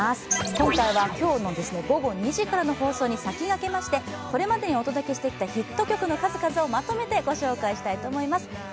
今回は今日の午後２時からの放送に先駆けましてこれまでにお届けしてきたヒット曲の数々をまとめてご紹介したいと思います。